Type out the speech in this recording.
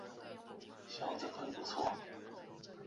某些行动所需的能量由先知所穿的盔甲纳米生化服来提供。